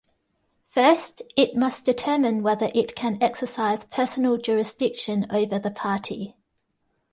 First, it must determine whether it can exercise personal jurisdiction over the party.